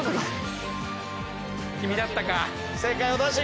君だったか。